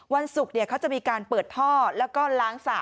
วันศุกร์เขาจะมีการเปิดท่อแล้วก็ล้างสระ